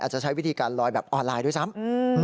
จะใช้วิธีการลอยแบบออนไลน์ด้วยซ้ำ